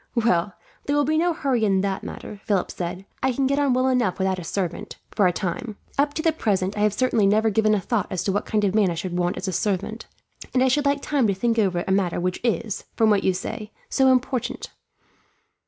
"Well, there will be no hurry in that matter," Philip said. "I can get on well enough without a servant, for a time. Up to the present, I have certainly never given a thought as to what kind of man I should want as a servant; and I should like time to think over a matter which is, from what you say, so important."